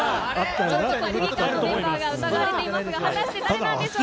ちょっと国技館のメンバーが疑われておりますが、果たして誰なんでしょうか。